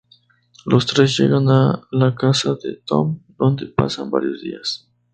Los tres llegan a la casa de Tom, donde pasan varios días.